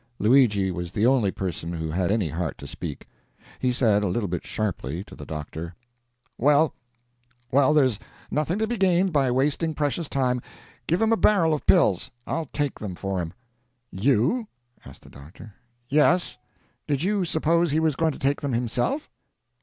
Luigi was the only person who had any heart to speak. He said, a little bit sharply, to the doctor: "Well, well, there's nothing to be gained by wasting precious time; give him a barrel of pills I'll take them for him." "You?" asked the doctor. "Yes. Did you suppose he was going to take them himself?"